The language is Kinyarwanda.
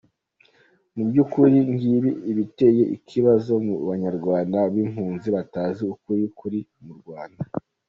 Mubyukuri ngibi ibiteye ikibazo mu banyarwanda b’impunzi batazi ukuri kuri mu Rwanda.